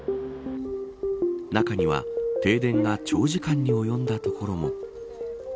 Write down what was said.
中には、停電が長時間に及んだ所も。